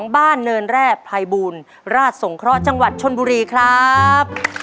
บ้านเนินแร่ภัยบูลราชสงเคราะห์จังหวัดชนบุรีครับ